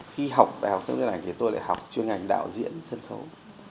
khi học đại học sân khấu điện ảnh thì tôi lại học chuyên ngành đạo diễn sân khấu